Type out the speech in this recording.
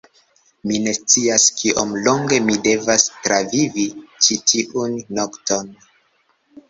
Mi ne scias kiom longe mi devas travivi ĉi tiun nokton.